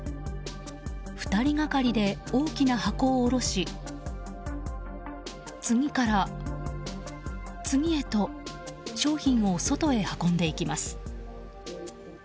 ２人がかりで大きな箱を下ろし次から、次へと商品を外へ運んでいきます。